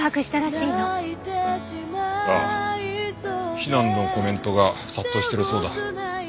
非難のコメントが殺到してるそうだ。